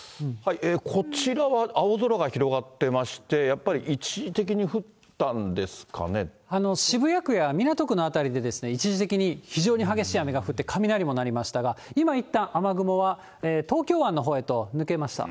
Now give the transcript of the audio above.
こちらは青空が広がってまして、やっぱり一時的に降ったんですか渋谷区や港区の辺りで、一時的に非常に激しい雨が降って、雷もなりましたが、今いったん、雨雲は東京湾のほうへと抜けました。